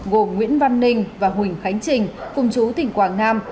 gồm nguyễn văn ninh và huỳnh khánh trình cùng chú tỉnh quảng nam